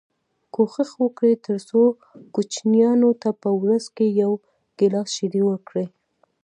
کوښښ وکړئ تر څو کوچنیانو ته په ورځ کي یو ګیلاس شیدې ورکړی